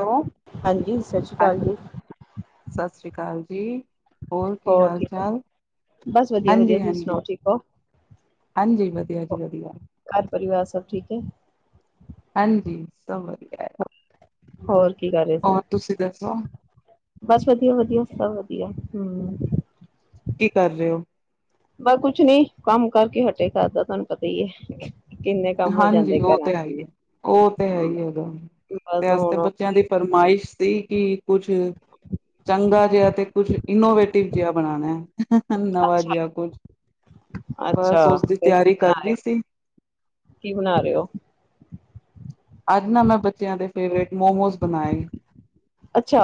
Hello ਹਾਂਜੀ ਸਸੀ ਸ਼੍ਰੀ ਕਾਲ ਜੀ। ਸਸ ਸ਼੍ਰੀ ਕਾਲ ਜੀ। ਹੋਰ ਕੀ ਹਾਲ ਠੀਕ ਹੋ ਚਾਲ ਬਸ ਵਧੀਆ ਵਧੀਆ ਤੁਸੀਂ ਹਾਂਜੀ-ਹਾਂਜੀ। ਸੁਣਾਓ ਠੀਕ ਹੋ ਹਾਂਜੀ ਵਧੀਆ ਜੀ ਵਧੀਆ। ਘਾਰ ਪਰਿਵਾਰ ਸਬ ਠੀਕ ਏ? ਹਾਂਜੀ, ਸਬ ਵਦੀਆ ਐ ਆ। ਹੋਰ ਕੀ ਕਾਰ ਰੇ ਸੀ, ਦੱਸੋ ਬਾੱਸ ਵਦੀਆ, ਵਦੀਆ ਸਬ ਵਦੀਆ, ਹੂੰ। ਕੀ ਕਾਰ ਰੇ ਓ? ਬਾ ਕੁੱਛ ਨੀ ਕਾੰਮ ਕਾਰਕੇ ਹਟੇ ਘਾਰ ਦਾ ਤੂਆਨ ਪਤਾ ਈ ਏ। ਹਾਂਜੀ ਓ ਤੇ ਹੈਈ ਏ, ਓ ਤੇ ਹੈਈ ਏ ਉਦਮ, ਬਸ ਤੇ ਅਸਤੇ ਬ ਹੁਣ ਬੱਚੇਆਂ ਦੀ ਫਰਮਾਇਸ਼ ਸੀ ਕਿ ਕੁੱਛ ਚੰਗਾ ਜੇਆ ਤੇ ਕੁੱਛ ਇਨੋਵੇਟਿਵ ਜੇਆ ਬਣਾਨੈ। ਨਵਾ ਅੱਛਾ ਜੇਆ ਕੁਛ, ਬਸ ਅੱਛਾ ਓਸਦੀ ਫਿਰ ਕੀ ਤਿਆਰੀ ਬਣਾ ਰਹੇ ਕਰਰੀ ਹੋ ਸੀ। ਕੀ ਬਨਾ ਰੇ ਓ? ਆੱਜ ਨਾ ਮੈਂ ਬੱਚੇਆਂ ਦੇ ਫੇਵਰੇਟ ਮੋਮੋਸ ਬਨਾਏ। ਅੱਛਾ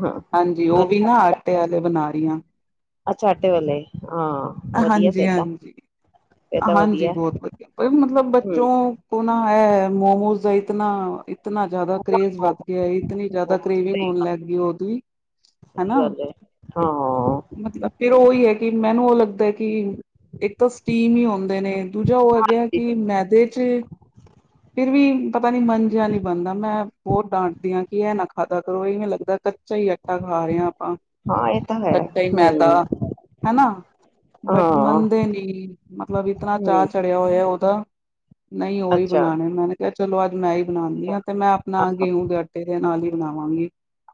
ਹਾਂ ਹਾਂਜੀ, ਓ ਵੀ ਅੱਛਾ ਨਾ ਆਟੇ ਆਲੇ ਬਨਾ ਰੀ ਆਂ। ਅੱਛਾ, ਆਟੇ ਵਾਲੇ, ਹਾਂ ਵਦੀਐ ਹਾਂਜੀ ਫੇਰ ਤਾਂ। ਹਾਂਜੀ ਫੇਰ ਤਾਂ ਹਾਂਜੀ, ਵਧੀਆ ਬੋਤ ਵਦੀਆ ਕੋਈ ਮਤਲਬ ਹਮ ਬੱਚੋਂ ਕੋਨਾ ਹੈ ਮੋਮੋਜ਼ ਦਾ ਇਤਨਾ ਇ ਇਤਨਾ ਜਾਦਾ ਕਰੇਜ਼ ਵੱਧ ਗੇਆ, ਇਤਨੀ ਜਾਦਾ ਕਰੇਵਿੰਗ ਹੋਨ ਲਾੱਗ ਗੀ ਓਦੀ ਸਈ ਗਾੱਲ ਏ। ਮਤਲਬ ਫੇਰ ਓਈ ਹੈ ਕਿ ਮੈਨੂੰ ਓ ਲਗਦੈ ਕਿ ਇੱਕ ਤਾਂ ਸਟੀਮ ਹੀ ਹੋਂਦੇ ਨੇ, ਦੂਜਾ ਓ ਹੈਗੇ ਕਿ ਮੈਦੇ ਚ ਫਿਰ ਵੀ ਪਤਾ ਨੀ ਮਨ ਜੇਆ ਨੀ ਬਨਦਾ, ਮੈਂ ਬੋਤ ਡਾਂਟਦੀ ਆਂ ਕਿ ਐ ਨਾ ਖਾਦਾ ਕਰੋ ਇਵੇਂ ਲਗਦੈ ਕੱਚਾ ਈ ਐ। ਚਾ ਖਾ ਰੇ ਆਂ ਆਪਾਂ। ਹਾਂ ਇਹ ਤਾਂ ਹੈ ਕੱਚਾ ਈ ਮੈਦਾ ਹੂੰ ਹਨਾ, ਬਟ ਹਾਂ ਮੰਨਦੇ ਨੀ। ਮਤਲਬ ਇਤਨਾ ਹੂੰ ਚਾਅ ਚੜੇਆ ਹੋਏਆ ਓਦਾ, ਨਹੀਂ ਓਈ ਅੱਛਾ ਬਣਾਣੈ। ਮੈਂਨੇ ਕੇਆ ਚਲੋ ਆੱਜ ਮੈਂ ਈ ਬਨਾਨੀ ਆਂ, ਤੇ ਮੈਂ ਅ ਅਪਨਾ ਗੇਂਹੂ ਦੇ ਆਟੇ ਦੇ ਨਾਲ ਈ ਬਨਾਵਾਂਗੀ।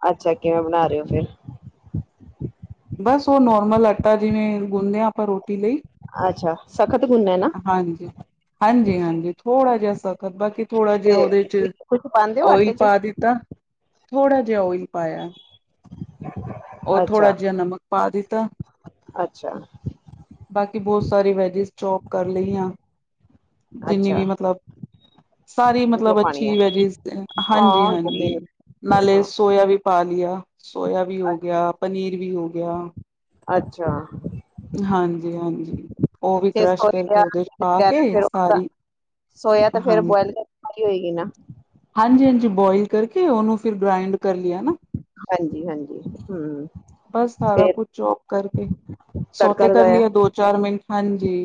ਅੱਛਾ, ਕਿਵੇਂ ਬਣਾ ਰੇ ਓ ਫੇਰ? ਬਾੱਸ ਓ ਨੋਰਮਲ ਆਟਾ ਜਿਵੇਂ ਗੁੰਨਦੇ ਆਂ ਆਪਾਂ ਰੋਟੀ ਲਈ ਅੱਛਾ, ਸਖਤ ਗੁੰਨਨਾ ਐ ਨਾ? ਹਾਂਜੀ, ਹਾਂਜੀ, ਹਾਂਜੀ ਥੋੜਾ ਜਾ ਸਖਤ ਬਾਕੀ ਥੋੜਾ ਜਾ ਓਦੇ ਤੇ ਚ ਕੁਛ ਪਾਉਂਦੇ ਹੋ ਓਇਲ ਆਟੇ ਚ ਪਾ ਦਿੱਤਾ, ਥੋੜਾ ਜਾ ਓਇਲ ਪਾਏਆ। [inaudible] ਓ ਥੋੜਾ ਜਾ ਨਮਕ ਪਾ ਦਿੱਤਾ। ਅੱਛਾ। ਬਾਕੀ ਬੋਤ ਸਾਰੀ ਵੈਜਿਸ ਚੋਪ ਕਾਰ ਲਈਆਂ, ਜਿੰਨੀ ਅੱਛਾ ਵੀ ਮਤਲਬ ਸਾਰੀ ਜੋ ਮਤਲਬ ਪਾਣੀ ਹੈ ਅੱਛੀ ਵੈਜਿਸ ਅ ਹਾਂਜੀ, ਹਾਂ ਹਾਂਜੀ। ਗ੍ਰੀਨ ਨਾਲੇ ਹਾਂ ਸੋਏਆ ਵੀ ਪਾ ਲਿਆ, ਸੋਏਆ ਵੀ ਹੋ ਗੇਆ, ਪਨੀਰ ਵੀ ਹੋ ਗੇਆ। ਅੱਛਾ। ਹਾਂਜੀ, ਹਾਂਜੀ। ਉਹ ਵੀ ਤੇ ਕਰਸ਼ ਕਰਕੇ ਸੋਏਆ ਉਹਦੇ ਚ ਪਾ ਕੇ [unintelligible] ਸਾਰੀ ਸੋਇਆ ਤੇ ਫੇਰ ਹਾਂਜੀ ਬੋਏਲ ਪੱਕੀ ਹੋਏਗੀ ਨਾ। ਹਾਂਜੀ, ਹਾਂਜੀ ਬੋਏਲ ਕਰਕੇ ਓਨੂੰ ਫਿਰ ਗ੍ਰਾਇੰਡ ਕਰ ਲਿਆ ਨਾ। ਹਾਂਜੀ, ਹਾਂਜੀ ਹੂੰ। ਬਸ ਸਾਰਾ ਫੇਰ ਕੁਛ ਚੋਪ ਕਰਕੇ ਤੜਕਾ ਸੋਤੇ ਕਰ ਲਗਾਇਆ ਲੀਆ ਦੋ-ਚਾਰ ਮਿੰਟ, ਹਾਂਜੀ।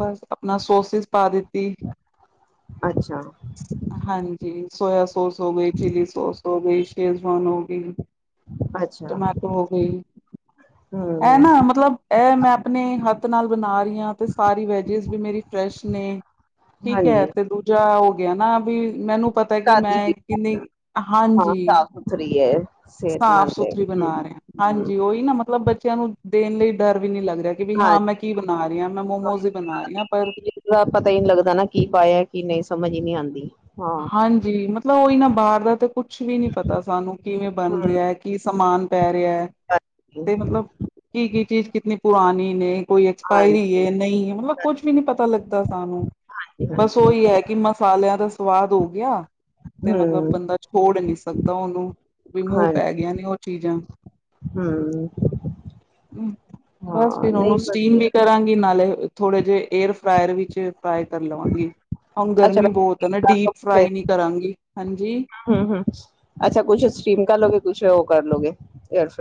ਬਸ ਅਪਨਾ ਸੋਸਿਸ ਪਾ ਦਿੱਤੀ। ਅੱਛਾ। ਹਾਂਜੀ, ਸੋਏਆ ਸੋਸ ਹੋ ਗਈ, ਚਿਲੀ ਸੋਸ ਹੋ ਗਈ, ਸ਼ੇਜ਼ਵਾਨ ਹੋ ਗਈ ਅ ਟਮੈਟੋ ਹੋ ਗਈ। ਹੂੰ। ਐ ਨਾ ਮਤਲਬ, ਐ ਮੈਂ ਅਪਨੇ ਹਾੱਤ ਨਾਲ ਬਨਾ ਰੀ ਆਂ, ਤੇ ਸਾਰੀ ਵੈਜਿਸ ਵੀ ਮੇਰੀ ਫਰੈਸ਼ ਨੇ ਠੀਕ ਹੈ ਹਾਂਜੀ। ਤੇ ਦੂਜਾ ਹੋ ਗਿਆ ਨਾ ਵੀ ਮੈਨੂੰ ਪਤਾ ਕਿ ਘਰ ਦੀ ਮੈਂ ਕਿੰਨੀ ਹਾਂਜੀ। ਫਰੀ ਹ ਸਾਫ ਸੁਥਰੀ ਬਣਾ ਰਿਹਾ ਹਾਂਜੀ ਉਹੀ ਨਾ ਮਤਲਬ ਬੱਚਿਆਂ ਨੂੰ ਦੇਣ ਲਈ ਡਰ ਵੀ ਨੀ ਲੱਗ ਰਿਹਾ ਕਿ ਵੀ ਹਾਂ ਹਾਂਜੀ ਮੈਂ ਕੀ ਬਣਾ ਰਹੀ ਹਾਂ ਮੈਂ ਮੋਮੋਸ ਹੀ ਬਣਾ ਰਹੀ ਹਾਂ ਪਰ ਪਤਾ ਹੀ ਨਹੀਂ ਲੱਗਦਾ ਨਾ ਕੀ ਪਾਇਆ ਕੀ ਨਹੀਂ ਸਮਝ ਹੀ ਨਹੀਂ ਆਉਂਦੀ। ਹਾਂ। ਹਾਂਜੀ ਮਤਲਬ ਮਤਲਬ ਉਹ ਨਾ ਬਾਹਰ ਦਾ ਤਾਂ ਕੁੱਛ ਵੀ ਨੀ ਪਤਾ ਸਾਨੂੰ ਕਿਵੇਂ ਬਣ ਹਮ ਰਿਹਾ ਹੈ ਕੀ ਸਮਾਨ ਪੈ ਰਿਹਾ ਹੈ। ਹਾਂਜੀ ਤੇ ਮਤਲਬ ਕੀ ਕੀ ਚੀਜ਼ ਕਿਤਨੀ ਪੁਰਾਣੀ ਨੇ ਕੋਈ ਹਾਂਜੀ ਐਕਸਪਾਇਰੀ ਨਹੀਂ ਮਤਲਬ ਕੁੱਝ ਵੀ ਨੀ ਪਤਾ ਲੱਗਦਾ ਸਾਨੂੰ। ਬਸ ਹਾਂਜੀ ਉਹ ਉਹੀ ਤਾਂ ਹੈ ਕਿ ਮਸਾਲਿਆਂ ਦਾ ਸਵਾਦ ਹੋ ਗਿਆ ਤੇ ਮਤਲਬ ਹਮ ਬੰਦਾ ਤੋੜ ਨੀ ਸਕਦਾ ਉਹਨੂੰ ਵੀ ਮੂੰਹ ਹਾਂ ਪੈ ਗਿਆ ਨੇ ਉਹ ਚੀਜ਼ਾਂ ਹਮ ਬਸ ਹਾਂ ਫਿਰ ਨਹੀਂ ਉਹਨੂੰ ਸਟੀਮ ਵੇ ਵਧੀਆ ਕਰਾਂਗੀ ਨਾਲੇ ਥੋੜੇ ਜਿਹੇ ਏਅਰ ਫਰਾਾਇਰ ਵਿੱਚ ਫਰਾਈ ਕਰ ਲਵਾਂਗੀ ਹੁਣ ਅੱਛਾ ਗਰਮੀ ਹਮ ਬਹੁਤ ਹੈ ਨਾ ਡੀਪ ਫਰਾਈ ਨੀ ਕਰਾਂਗੀ ਹਾਂਜੀ ਹਮ ਹਮ ਅੱਛਾ ਕੁੱਛ ਸਟੀਮ ਕਰ ਲੋਗੇ ਕੁਛ ਉਹ ਕਰਲਗੇ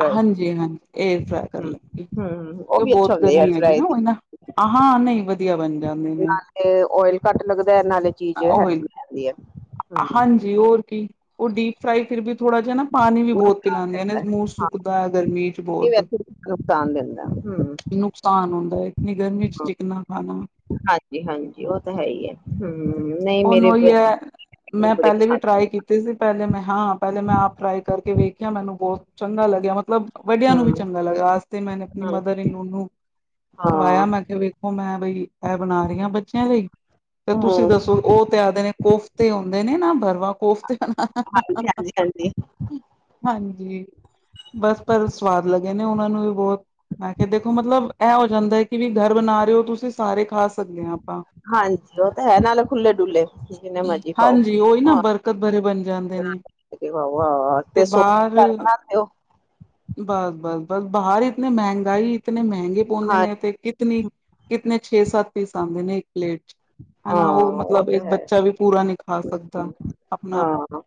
ਹਾਂਜੀ ਹਾਂਜੀ ਏਅਰ ਫਰਾਈ ਕਰ ਲੈਂਗੇ ਹਮ ਉਹ ਤੇ ਵੀ ਅੱਛਾ ਬਹੁਤ ਹੁੰਦਾ ਏਅਰ ਗਰਮੀ ਹੈਗੀ ਫਰਾਈ ਨਾ ਦੀ ਉਹ ਨਾ ਹ ਹਾਂ ਨਹੀਂ ਆ ਬਣ ਜਾਂ ਨਾਲੇ ਓਇਲ ਘੱਟ ਲੱਗਦਾ ਨਾਲੇ ਚੀਜ਼ ਹੈ ਉਹੀ ਜਾਂਦੀ ਹੈ ਹ ਹਾਂਜੀ ਹੋਰ ਕੀ ਉਹ ਡੀਪ ਫਰਾਾਈ ਫਿਰ ਵੀ ਥੋੜਾ ਜਿਹਾ ਨਾ ਪਾਣੀ ਵੀ ਬਹੁਤ ਪਿਲਾਉ ਦੇਨੇ ਹਾਂ ਨੁਕਸਾਨ ਦਿੰਦਾ ਹਮ। ਨੁਕਸਾਨ ਹੁੰਦਾ ਹੈ ਇਨੀ ਗਰਮੀ ਚ ਚਿਕਨਾ ਖਾਣਾ ਹਾਂਜੀ ਹਾਂਜੀ ਉਹ ਤਾਂ ਹੈ ਹੀ ਹੈ ਹਮ ਨਹੀਂ। ਹਨ ਮੇਰੇ ਉਹੀ ਹੈ ਬੱਚੇ ਨੂੰ ਮੈਂ ਬੜੇ ਪਹਿਲੇ ਵੀ ਪਸੰਦ ਨੇ। ਟਰਾਈ ਕੀਤੀ ਸੀ ਪਹਿਲੇ ਮੈਂ ਹਾਂ ਪਹਿਲੇ ਮੈਂ ਆਪ ਟਰਾਈ ਕਰਕੇ ਵੇਖਿਆ ਮੈਨੂੰ ਬਹੁਤ ਚੰਗਾ ਲੱਗਿਆ ਮਤਲਬ ਵੱਡਿਆਂ ਨੂੰ ਵੀ ਹੂੰ ਚੰਗਾ ਲੱਗਾਤੇ ਮੈਨ ਆਪਣੀ ਹੂੰ ਮਦਰ ਇਨ ਲਾ ਖਵਾਇਆ ਹਾਂ ਮੈਂ ਕਿਹਾ ਵੇਖੋ ਮੈਂ ਬਈ ਇਹ ਬਣਾ ਰਹੀ ਹਾਂ ਬੱਚਿਆਂ ਲਈ ਤੇ ਹੂੰ ਤੁਸੀਂ ਦੱਸੋ? ਉਹ ਤੇ ਆਦੇ ਨੇ ਕੋਫਤੇ ਹੁੰਦੇ ਨੇ ਨਾ ਭਰਵਾ ਕੋਫਤੇ ਹਨ ਨਾ ਹਾਂਜੀ ਹਾਂਜੀ ਹਾਂਜੀ ਹਾਂਜੀ ਬਸ ਪਰ ਸਵਾਦ ਲੱਗੇ ਨੇ ਉਹਨਾਂ ਨੂੰ ਵੀ ਬਹੁਤ ਮੈਂ ਕਿਹਾ ਦੇਖੋ ਮਤਲਬ ਇਹ ਹੋ ਜਾਂਦਾ ਹੈ ਕਿ ਵੀ ਘਰ ਬਣਾ ਰਹੇ ਹੋ ਤੁਸੀਂ ਸਾਰੇ ਖਾ ਸਕਦੇ ਹ ਆਪਾਂ। ਹਾਂਜੀ, ਉਹ ਤਾਂ ਹੈ ਨਾਲੇ ਖੁੱਲ੍ਹੇ ਡੁੱਲੇ ਜਿੰਨੇ ਮਰਜ਼ੀ ਖਾਓ ਹਾਂਜੀ, ਉਹੀ ਨਾ ਹਾਂ ਬਰਕਤ ਭਰੇ ਬਣ ਜਾਂਦੇ ਨੇ। ਤੇ ਬਾਹਰ [unintelligible] ਬਸ ਬਸ ਬਸ ਬਾਹਰ ਇਤਨੇ ਮਹਿੰਗਾਈ ਇਤਨੇ ਮਹਿੰਗੇ ਪਾਉਂਦੇ ਹਾਂ ਨੇ ਤੇ ਕਿ ਕਿਤਨੀ ਕਿਤਨੇ ਛੇ ਸੱਤ ਪੀਸ ਆਉਂਦੇ ਨੇ ਇੱਕ ਪਲੇਟ ਚ ਹਾਂ ਹਨਾ ਉਹ ਮਤਲਬ ਤਾਂ ਇੱਕ ਹੈ ਬੱਚਾ ਵੀ ਪੂਰਾ ਨੀ ਖਾ ਸਕਦਾ ਹੂੰ, ਆਪਣਾ ਹਾਂ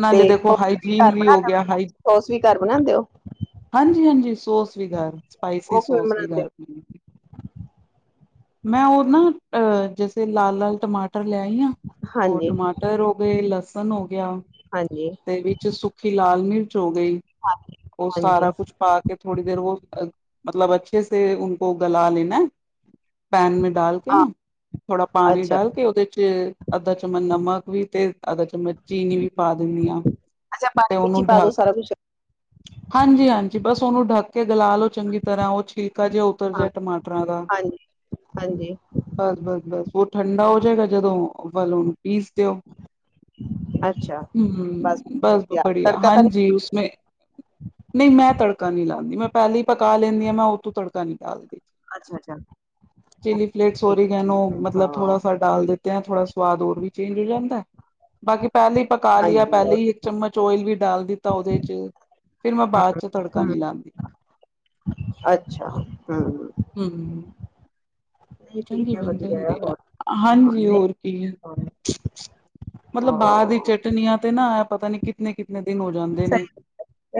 ਨਾਲੇ ਤੇ ਦੇਖੋ ਸੋਸ ਹਾਈਜੀਨ ਘਰ ਵੀ ਹੋ ਬਣਾ ਗਿਆ, ਹਾਇ ਸੋਸ ਵੀ ਘਰ ਬਣਾਉਂਦੇ ਹੋ ਹਾਂਜੀ ਹਾਂਜੀ ਸੋਸ ਵੀ ਘਰ, ਸਪਾਈਸੀ ਉਹ ਕਿਵੇਂ ਸੋਸ ਵੀ ਬਣਾਉਂਦੇ ਘਰ ਮੈਂ ਉਹ ਨਾ ਅਹ ਜੈਸੇ ਲਾਲ-ਲਾਲ ਟਮਾਟਰ ਲਿਆਈ ਆ ਉਹ ਹਾਂਜੀ ਟਮਾਟਰ ਹੋ ਗਏ ਲਸਣ ਹੋ ਗਿਆ ਹਾਂਜੀ ਤੇ ਵਿੱਚ ਸੁ ਲਾਲ ਮਿਰਚ ਹੋ ਗਈ ਉਹ ਹਾਂਜੀ ਹਾਂਜੀ, ਸਾਰਾ ਕੁਛ ਪਾ ਕੇ ਥੋੜੀ ਦੇਰ ਉਹ ਮਤਲਬ ਅੱਛੇ ਸ ਉ ਕੋ ਗਲਾ ਲੈਣਾ। ਪੈਨ ਮੈਂ ਡਾਲ ਕੇ ਹਾਂ ਨਾ ਥੋੜਾ ਪਾਣੀ ਅੱਛਾ ਡਾਲ ਕੇ ਉਹਦੇ ਚ ਅੱਧਾ ਚਮਚ ਨਮਕ ਵੀ ਤੇ ਅੱਧਾ ਚਮਚ ਚੀਨੀ ਵੀ ਪਾ ਦਿੰਦੀ ਹਾਂ ਅੱ ਤੇ ਬਣ ਚ ਉਹਨੂੰ ਬਾਦੋਂ ਢੱਕ ਸਾਰਾ ਖ। ਹਾਂਜੀ ਹਾਂਜੀ ਬਸ ਉਹਨੂੰ ਢੱਕ ਕੇ ਗਲਾ ਲੋਓ। ਚੰਗੀ ਤਰ੍ਹਾਂ ਉਹ ਛਿਲਕਾ ਜਿਹਾ ਉਤਰ ਹਾਂ ਜਾ ਟਮਾਟਰਾਂ ਦਾ ਹਾਂਜੀ ਹਾਂਜੀ ਬਸ ਬਸ। ਬਸ ਉਹ ਠੰਡਾ ਹੋ ਜਾਏਗਾ ਜਦੋਂ ਵੱਲ ਉਹਨੂੰ ਪੀਸ ਦਿਓ। ਅੱਛਾ। ਹਮ ਬਸ ਤਿਆਰ ਬੜੀਆ ਤੜਕਾ ਤਾਂ ਨਹੀਂ ਹਾਂਜੀ ਉਸਮੇ। ਨਹੀਂ ਮੈਂ ਤੜਕਾ ਨਹੀਂ ਲਾਂਦੀ ਮੈਂ ਪਹਿਲੇਾਂ ਹੀ ਪਕਾ ਲੈਂਦੀ ਹਾਂ ਮੈਂ ਉਹ ਤੋਂ ਤੜਕਾ ਨੀ ਡਾਲਦੀ। ਅੱਛਾ ਅੱਛਾ ਚਿਲੀ ਅੱਛਾ, ਪਲੇਟ ਸ ਠੀਕ ਹੈ ਓਰੀਗੈਨੋ ਠੀਕ ਹੈ ਮਤਲਬ ਹਾਂ ਥੋੜਾ [unintelligible] ਡਾਲ ਦਿੱਤੇ ਹੈਂ ਥੋੜ੍ਹਾ ਸਵਾਦ ਹੋਰ ਵੀ ਚੇਂਜ ਹੋ ਜਾਂਦਾ ਹੈ। ਬਾਕੀ ਪਹਿਲੇ ਹੀ ਪਕਾ ਲਿਆ ਹਾਂਜੀ ਪਹਿਲੇ ਹੀ ਚਮਚ ਓਇਲ ਵੀ ਡਾਲ ਦਿੱਤਾ ਉਹਦੇ ਚ ਫੇਰ ਮੈਂ ਬਾਅਦ ਚ ਤੜਕਾ ਹਮ ਨੀ ਲਾਉਂਦੀ। ਹਾਂਜੀ। ਅੱਛਾ ਹੂ। ਹੂ। ਨਹੀਂ ਠੀਕ ਹੈ ਵਧੀਆ ਹੈ। ਹਾਂਜੀ ਹੋਰ ਕੀ। ਹਾਂ, ਮਤਲਬ ਬਾਹਰ ਦੀ ਚਟਨੀਆਂ ਤੇ ਨਾ ਆ ਪਤਾ ਨੀ ਕਿਤਨੇ ਕਿਤਨੇ ਦਿਨ ਹੋ ਜਾਂਦੇ ਸਹੀ ਨੇ।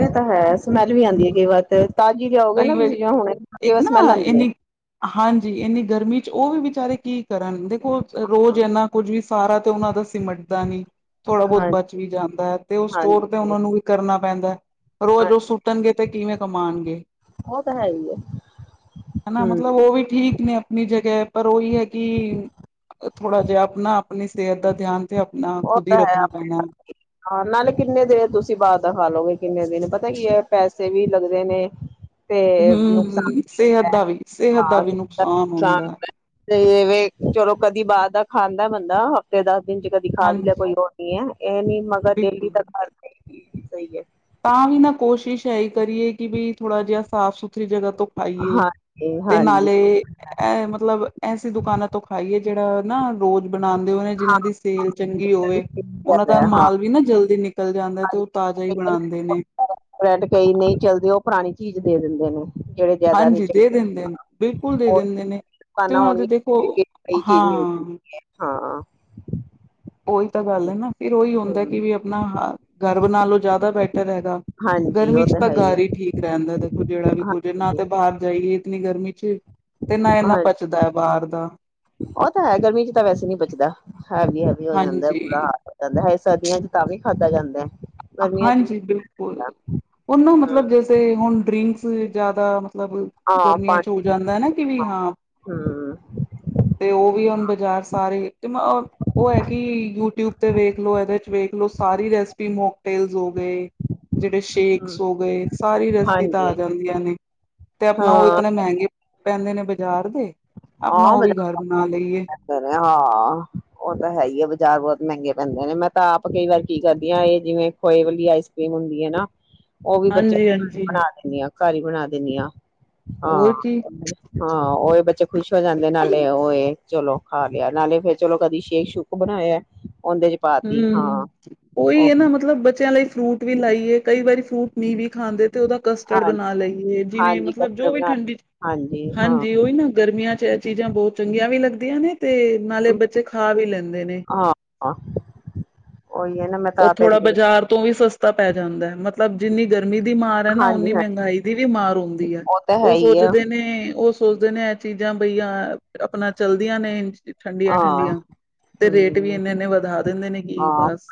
ਇਹ ਤਾਂ ਹੈ। ਸਮੈਲ ਵੀ ਆਉਂਦੀ ਹੈ ਕਈ ਵਾਰ ਤੇ ਤਾਜ਼ੀ ਲੇਆਓਗੇ ਕਈ ਨਾ ਵਾਰੀ ਤੁਸੀਂ ਹੁਣੇ ਕਈ ਇੱਕ ਵਾਰ ਸਮੈਲ ਨਾ ਆਉਂਦੀ ਹੈ। ਇੰਨੀ ਹਾਂਜੀ ਇੰਨੀ ਗਰਮੀ ਚ ਉਹ ਵੀ ਵਿਚਾਰੇ ਕੀ ਕਰਨ। ਦੇਖੋ ਰੋਜ਼ ਹਾਂ ਇਨਾ ਕੁੱਝ ਵੀ ਸਾਰਾ ਤੇ ਉਹਨਾਂ ਦਾ ਸਿਮਟਦਾ ਨੀ। ਥੋੜਾ ਬਹੁਤ ਹਾਂਜੀ ਬਚ ਵੀ ਜਾਂਦਾ ਹੈ ਤੇ ਉਹ ਸਟੋਰ ਤੇ ਹਾਂਜੀ ਉਹਨਾਂ ਨੂੰ ਵੀ ਕਰਨਾ ਪੈਂਦਾ ਹੈ। ਰੋਜ਼ ਹਾਂ ਰੋਜ਼ ਸੁੱਟਣਗੇ ਤੇ ਕਿਵੇਂ ਕਮਾਣਗੇ? ਉਹ ਤਾਂ ਹੈ ਹੀ ਏ। ਹਨਾ ਮਤਲਬ ਉਹ ਵੀ ਠੀਕ ਨੇ ਆਪਣੀ ਜਗੇ ਪਰ ਉਹੀ ਹੈ ਕਿ ਥੋੜਾ ਜਿਹਾ ਆਪਣਾ ਆਪਣੀ ਸਿਹਤ ਦਾ ਧਿਆਨ ਤੇ ਆਪਣਾ ਉਹ ਖੁਦ ਹੀ ਤਾਂ ਹੈ ਰੱਖਣਾ ਪੈਣਾ ਹੇ। ਹਾਂ ਨਾਲੇ ਕਿੰਨੇ ਦੇਰ ਤੁਸੀਂ ਬਾਹਰ ਦਾ ਖਾ ਲਓਗੇ ਕਿੰਨੇ ਦਿਨ? ਪਤਾ ਕੀ ਹੈ ਪੈਸੇ ਵੀ ਲੱਗਦੇ ਨੇ। ਤੇ ਹਮ ਨੁਕਸਾਨ ਹੁਂ ਵੀ ਸਿਹਤ ਹੁੰਦਾ ਦਾ ਵੀ-ਸਿਹਤ ਦਾ ਵੀ ਨੁਕਸਾਨ ਹੁੰਦਾ ਹੈ। ਤੇਵੇ ਚਲੋ ਕਦੀ ਬਾਹਰ ਦਾ ਖਾਂਦਾ ਏ ਬੰਦਾ ਹਫ਼ਤੇ ਦਸ ਦਿਨ ਚ ਕਦੀ ਦਿਖਾ ਵੀ ਲਿਆ ਹਾਂਜੀ ਕੋਈ ਉਹ ਨੀ ਹੈ। ਇਹ ਨੀ ਮਗਰ ਡੇਲੀ [unintelligible] ਬਿਲਕੁਲ ਸਹੀ ਹੈ। ਤਾਂ ਵੀ ਨਾ ਕੋਸ਼ਿਸ਼ ਇਹੀ ਕਰੀਏ ਕਿ ਬੀ ਥੋੜ੍ਹਾ ਜਿਹਾ ਸਾਫ਼ ਸੁਥਰੀ ਜਗ੍ਹਾ ਤੋਂ ਖਾਈਏ ਹਾਂਜੀ ਤੇ ਹਾਂਜੀ ਨਾਲੇ ਇਹ ਮਤਲਬ ਐਸੀ ਦੁਕਾਨਾਂ ਤੋਂ ਖਾਈਏ ਜਿਹੜਾ ਨਾ ਰੋਜ਼ ਬਣਾਉਂਦੇ ਹੋਏ ਨੇ ਹਾਂ ਜਿਹਨਾਂ ਦੀ ਸੇਲ ਚੰਗੀ ਹੋਵੇ। ਉਹਨਾਂ ਦਾ ਹਾਂ ਮਾਲ ਵੀ ਨਾ ਜਲਦੀ ਨਿਕ ਨਿਕਲ ਜਾਂਦਾ ਤੇ ਉਹ ਤਾਜ਼ਾ ਹੀ ਬਣਾਦੇ ਨੇ। ਬ੍ਰੈਡ ਕਈ ਨਹੀਂ ਚਲਦੇ ਉਹ ਪੁਰਾਣੀ ਚੀਜ਼ ਦੇ ਦਿੰਦੇ ਨੇ। ਜਿਹੜੇ ਜ਼ਿਆਦਾ ਨਹੀਂ ਹਾਂਜੀ ਦੇ ਚੱਲਦੇ ਦਿੰਦੇ ਨੇ ਬਿਲਕੁਲ ਦੇ ਹੋਰ ਦਿੰਦੇ ਨੇ ਤੇ ਦੁਕਾਨਾਂ ਉਹਨਾਂ ਦੇ ਦੇਖੋ ਹੋਣਗੀਆਂ ਕਈ ਚੀਜ਼ ਮਿਲਦੀ ਹਾਂ। ਹਾਂ। ਉਹੀ ਤਾਂ ਗੱਲ ਹੈ ਨਾ ਫਿਰ ਉਹੀ ਹੁੰਦਾ ਹੂੰ, ਕਿ ਵੀ ਆਪਣਾ ਘਰ ਨਾਲੋਂ ਜ਼ਿਆਦਾ ਬੈਟਰ ਹੈਗਾ ਹਾਂਜੀ ਗਰਮੀ ਉਹ ਚ ਤਾਂ ਹੈ ਆ ਘਰ ਹੀ ਠੀਕ ਰਹਿੰਦਾ। ਜਿਹੜਾ ਵੀ ਕੁਝ ਨਾ ਹਾਂਜੀ ਤੇ ਬਾਹਰ ਜਾਈਏ ਇਤਨੀ ਗਰਮੀ ਚ ਤੇ ਨਾ ਇੰਨਾ ਹਾਂਜੀ ਪਚਦਾ ਹੈ ਬਾਹਰ ਦਾ। ਉਹ ਤਾਂ ਹੈ ਗਰਮੀ ਚ ਤਾਂ ਵੈਸੇ ਨੀ ਬਚਦਾ ਹੈਵੀ ਹੈਵੀ ਹੋ ਜਾਂਦਾ ਬੁਰਾ ਹਾਂਜੀ ਹਾਲ ਜਾਂਦਾ ਹੈ ਸਰਦੀਆਂ ਚ ਤਾਂ ਵੀ ਖਾਧਾ ਜਾਂਦਾ ਹੈ। ਗਰਮੀਆਂ ਚ ਨੀ ਹਾਂਜੀ ਬਿਲਕੁਲ ਹੁੰਦਾ ਉਹਨੂੰ ਹੂੰ ਮਤਲਬ ਜਿਸ ਤੇ ਹੁਣ ਡਰਿੰਕਸ ਜਿਆਦਾ ਮਤਲਬ ਹਾਂ ਗਰਮੀਆਂ ਚ ਹੋ। ਜਾਂਦਾ ਹੈ ਨਾ ਕਿ ਵੀ ਹਾਂ। ਹ। ਤੇ ਉਹ ਵੀ ਹੁਣ ਬਾਜ਼ਾਰ ਸਾਰੇ ਤੇ ਮ ਉਹ ਹੈ ਕਿ ਯੂਟਿਊਬ ਤੇ ਵੇਖ ਲੋ ਇਹਦੇ ਚ ਵੇਖ ਲੋ। ਸਾਰੀ ਰੈਸਪੀ ਮੁ ਟੇਲਸ ਹੋ ਗਏ ਜਿਹੜੇ ਸ਼ੇਕਸ ਹੂੰ ਹੋ ਗਏ। ਸਾਰੀ ਰਸਪੀ ਤਾਂ ਆ ਹਾਂਜੀ ਜਾਂਦੀਆਂ ਨੇ ਤੇ ਆਪਣਾ ਉਹ ਹਾਂ ਇਤਨੇ ਮਹਿੰਗੇ ਪੈਂਦੇ ਨੇ ਬਾਜ਼ਾਰ ਦੇ ਆਪਣਾ ਉਹ ਵੀ ਘਰ ਬਣਾ ਲਈਏ। ਸਰੇ ਹਾਂ। ਉਹ ਤਾਂ ਹੈ ਹੀ ਆ, ਬਾਜ਼ਾਰ ਬਹੁਤ ਮਹਿੰਗੇ ਪੈਂਦੇ ਨੇ, ਮੈਂ ਤਾਂ ਆਪ ਕਈ ਵਾਰ ਕੀ ਕਰਦੀ ਆਂ, ਇਹ ਜਿਵੇਂ ਖੋਏ ਵਾਲੀ ਆਈਸ ਸੇਮ ਹੁੰਦੀ ਆ ਏਨਾ ਉਹ ਵੀ ਬੱਚੇ ਹਾਂਜੀ ਹਾਂਜੀ ਬਣਾ ਦਿੰਦੀ ਆ, ਘਰ ਹੀ ਬਣਾ ਦਿੰਦੀ ਆ, ਹਾਂ ਹੋਰ ਕੀ ਹਾਂ, ਉਹਹੀ ਬੱਚੇ ਖੁਸ਼ ਹੋ ਜਾਂਦੇ ਨਾਲੇ ਉਹਏ ਚਲੋ ਖਾ ਲਿਆ, ਨਾਲੇ ਫੇਰ ਚਲੋ ਕਦੀ ਸ਼ੇਕ ਸੁੁਕ ਬਣਾਇਆ। ਉਹਦੇ ਚ ਪਾਤੀ ਹਾਂ ਹੂੰ, ਉਹੀ ਉਹ ਹੈ ਨਾ ਮਤਲਬ ਬੱਚਿਆਂ ਲਈ ਫਰੂਟ ਵੀ ਲਾਈਏ ਕਈ ਵਾਰੀ ਫਰੂਟ ਨੀਂ ਵੀ ਖਾਂਦੇ ਤੇ ਉਹਦਾ ਕਸਟਰਡ ਹਾਂ ਬਣਾ ਲਈਏ ਜਿਵੇਂ ਹਾਂਜੀ ਮਤਲਬ ਜੋ ਕਸਟਰਡ ਵੀ ਬਣਾਤੀ ਠੰਡੀ, ਹਾਂਜੀ ਹਾਂ ਹਾਂਜੀ ਉਹੀ ਨਾ ਗਰਮੀਆਂ ਚ ਚੀਜ਼ਾਂ ਬਹੁਤ ਚੰਗੀਆਂ ਵੀ ਲੱਗਦੀਆਂ ਨੇ ਤੇ ਨਾਲੇ ਬੱਚੇ ਖਾ ਵੀ ਲੈਂਦੇ ਨੇ। ਆ ਨਾ ਮੈਂ ਇਹ ਥੋੜਾ ਇੰਜ ਬਾਜ਼ਾਰ ਤੋਂ ਵੀ ਸਸਤਾ ਪੈ ਜਾਂਦਾ ਹੈ ਮਤਲਬ ਜਿੰਨੀ ਗਰਮੀ ਗਰਮੀ ਦੀ ਮਾਰ ਹੈ ਨਾ ਓਨੀ ਹਾਂਜੀ ਹਾਂਜੀ ਮਹਿੰਗਾਈ ਦੀ ਵੀ ਮਾਰ ਹੁੰਦੀ ਹੈ ਤਾਂ ਹੈ ਉਹ ਹੀ ਆ ਸੋਚਦੇ ਨੇ, ਉਹ ਸੋਚਦੇ ਨੇ ਚੀਜ਼ਾਂ ਬਈ ਆ ਆਪਣਾ ਚਲਦੀਆਂ ਨੇ ਠੰਡੀਆਂ ਹਾਂ ਠੰਡੀਆਂ ਤੇ ਰੇਟ ਵੀ ਹਮ ਇੰਨੇ ਇੰਨੇ ਵਧਾ ਦਿੰਦੇ ਨੇ ਕੀ ਬਸ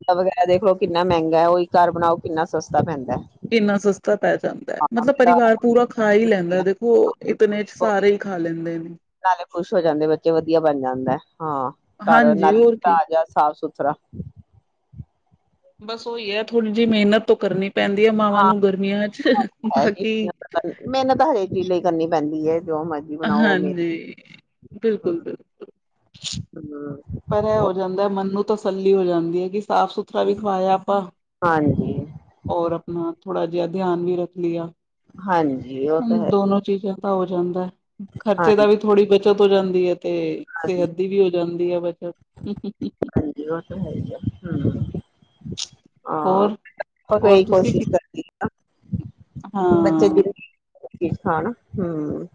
ਅ ਦੇਖ ਲੋ ਕਿੰਨਾ ਮਹਿੰਗਾ ਉਹੀ ਘਰ ਬਣਾਓ ਕਿੰਨਾ ਸਸਤਾ ਪੈਂਦਾ। ਕਿੰਨਾ ਸਸਤਾ ਪੈ ਜਾਂਦਾ ਮਤਲਬ ਪਰਿਵਾਰ ਪੂਰਾ ਖਾ ਹੀ ਲੈਂਦਾ ਦੇਖੋ ਇਤਨੇ ਚ ਸਾਰੇ ਹੀ ਖਾ ਲੈਂਦੇ ਨੇ। ਨਾਲੇ ਖੁਸ਼ ਹੋ ਜਾਂਦੇ ਬੱਚੇ ਵਧੀਆ ਬਣ ਜਾਂਦਾ ਹਾਂ ਘਰ ਹਾਂਜੀ, ਨਾਲੇ ਹੋਰ ਕੀ। ਤਾ ਜਾ ਸਾਫ਼ ਸੁਥਰਾ। [inaudible] ਬਸ ਉਹੀ ਹੈ ਥੋੜੀ ਜਿਹੀ ਮਿਹਨਤ ਤੋਂ ਕਰਨੀ ਪੈਂਦੀ ਹੈ ਮਾਵਾਂ ਹਾਂ ਨੂੰ ਗਰਮੀਆਂ ਚ ਹੈ ਜੀ ਬਾਕੀ ਮਿਹਨਤ ਹਰੇਕ ਚੀਜ਼ ਲਈ ਕਰਨੀ ਪੈਂਦੀ ਹੈ ਜੋ ਮਰਜ਼ੀ ਬਣਾਓ ਮੇ ਹਾਂਜੀ, ਹੂੰ ਬਿਲਕੁਲ ਬਿਲਕੁਲ। ਹੂੰ। ਪਰ ਇਹ ਹੋ ਜਾਂਦਾ ਮਨ ਨੂੰ ਤਸੱਲੀ ਹੋ ਜਾਂਦੀ ਹੈ ਕਿ ਸਾਫ਼ ਸੁਥਰਾ ਵੀ ਖਵਾਇਆ ਆਪਾਂ। ਹਾਂਜੀ। ਔਰ ਆਪਣਾ ਥੋੜਾ ਜਿਹਾ ਧਿਆਨ ਵੀ ਰੱਖ ਲਿਆ, ਹਾਂਜੀ ਉਹ ਤਾਂ ਹਾ ਹੈ ਦੋਨੋ ਚੀਜ਼ਾਂ ਹੋ ਜਾਂਦਾ ਖਰਚੇ ਦਾ ਹਾਂਜੀ ਵੀ ਥੋੜੀ ਬੱਚਤ ਹੋ ਜਾਂਦੀ ਹੈ ਤੇ ਹਾਂਜੀ ਸਿਹਤ ਦੀ ਵੀ ਹੋ ਜਾਂਦੀ ਹੈ ਹੂੰ। [unintelligible] ਹਾਂ ਹੋਰ ਹੋਰ ਉਹੀ ਤੁਸੀਂ ਕੀ- ਕੋਸ਼ਿਸ਼ ਕਰਦੀ ਆ, ਬੱਚੇ ਦੀ ਹਾਂ ਬੱਚੇ ਖਾਣ ਹੂੰ।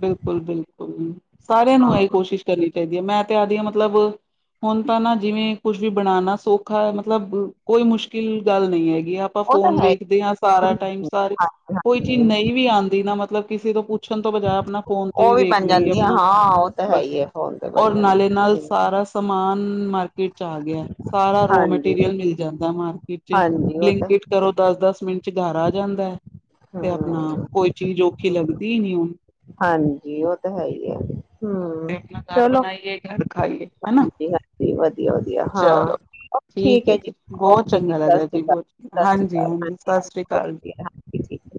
ਬਿਲਕੁਲ, ਬਿਲਕੁਲ, ਸਾਰਿਆਂ ਨੂੰ ਹਾਂ ਇਹ ਕੋਸ਼ਿਸ਼ ਕਰਨੀ ਚਾਹੀਦੀ ਹੈ ਮੈਂ ਤੇ ਆਦੀ ਹਾਂ ਮਤਲਬ ਹੁਣ ਤਾਂ ਨਾ ਜਿਵੇਂ ਕੁਝ ਵੀ ਬਣਾਣਾ ਸੌਖਾ ਹੈ ਮਤਲਬ ਕੋਈ ਮੁਸ਼ਕਿਲ ਗੱਲ ਨਹੀਂ ਹੈਗੀ ਅਪਾਂ ਉਹ ਤਾਂ ਫੋਨ ਹੈ ਹੀ ਵੇਖਦੇ ਆ ਸਾਰਾ ਟਾਈਮ ਸਾਰੀ, ਹਾਂਜੀ ਕੋਈ ਚੀਜ਼ ਹਾਂਜੀ ਨਈ ਵੀ ਆਂਦੀ ਨਾ ਮਤਲਬ ਕਿਸੇ ਤੋ ਪੁੱਛਨ ਤੋਂ ਬਜਾਏ ਅਪਨਾ ਫੋਨ ਤੇ ਉਹ ਵੀ ਵੇਖ ਬਣ ਲਈਏ ਜਾਂਦੀ ਆ ਅਪਨਾ, ਹਾਂ ਉਹ ਤਾਂ ਹੈ ਬਾੱਸ ਹੀ ਹੈ ਫੋਨ ਤੇ ਔਰ ਬਣ ਨਾਲੇ-ਨਾਲ ਜਾਂਦੀ ਸਾਰਾ ਸਮਾਨ ਮਾਰਕੀਟ ਚ ਆ ਗੇਐ, ਸਾਰਾ ਹਾਂਜੀ ਰੋ-ਮਟੀਰੀਅਲ ਮਿਲ ਜਾਂਦੈ ਮਾਰ ਵਿੱਚ ਹਾਂਜੀ ਉਹ ਤਾਂ ਬਲਿੰਕਟ ਹੈ ਕਰੋ ਹੀ ਦਸ-ਦਸ ਮਿੰਟ 'ਚ ਘਰ ਆ ਜਾਂਦਾ ਹੈ ਆ, ਤੇ ਆਪਣਾ ਹੂੰ ਕੋਈ ਚੀਜ਼ ਔਖੀ ਹੂੰ। ਲੱਗਦੀ ਨੀ ਹੁਣ ਹਾਂਜੀ ਉਹ ਤੇ ਹੈ ਈ ਐ। ਤੇ ਆਪਣਾ ਘਰ ਬਣਾਈਏ ਘਰ ਖਾਈਏ ਹਨਾ ਹਾਂਜੀ ਹਾਂਜੀ ਵਧੀਆ ਵਧੀਆ ਹਾਂ ਚਲੋ। ਠੀਕ ਹੈ ਜੀ ਬੋਤ ਓਕੇ ਚੰਗਾ ਲੱਗਾ ਸਤਿ ਰਿਆ ਸ਼੍ਰੀ ਜੀ ਅਕਾਲ ਬੋਤ ਸਤਿ ਸ਼੍ਰੀ ਅਕਾਲ ਹਾਂਜੀ-ਹਾਂਜੀ ਹਾਂਜੀ ਸਤਿ ਸ੍ਰੀ ਹਾਂਜੀ ਅਕਾਲ ਜੀ। ਵਧੀਆ ਹਾਂਜੀ ਠੀਕ